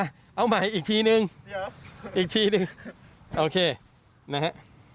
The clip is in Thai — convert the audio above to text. เอาใหม่อีกทีนึงอีกทีหนึ่งโอเคนะฮะ